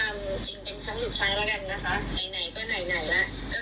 หนูอยากจะพูดความจริงเป็นคำสุดท้ายแล้วกันนะฮะ